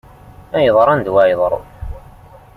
Ay yeḍran d wayen ara yeḍrun